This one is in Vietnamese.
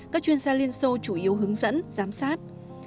các chuyên gia liên xô chủ yếu hướng dẫn giám sát